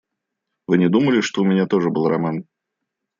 Вы не думали, что у меня тоже был роман?